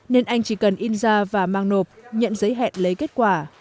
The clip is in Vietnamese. nên anh chỉ cần in ra và mang nộp nhận giấy hẹn lấy kết quả